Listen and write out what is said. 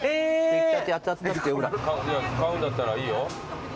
買うんだったらいいよ。